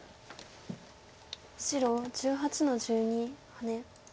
白１８の十二ハネ。